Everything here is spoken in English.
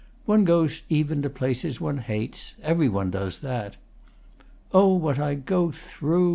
"One goes even to places one hates. Every one does that." "Oh, what I go through!"